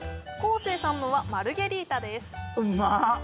昴生さんのはマルゲリータですうまっ！